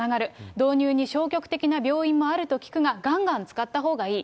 導入に消極的な病院もあると聞くが、がんがん使ったほうがいい。